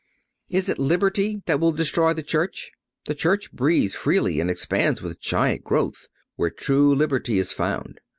Is it liberty that will destroy the Church? The Church breathes freely and expands with giant growth, where true liberty is found.